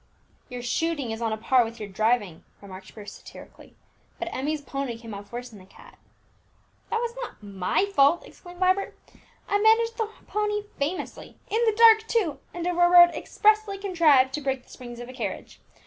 "Your shooting is on a par with your driving," remarked Bruce satirically; "but Emmie's pony came off worse than the cat." "That was not my fault!" exclaimed Vibert. "I managed the pony famously, in the dark too, and over a road expressly contrived to break the springs of a carriage.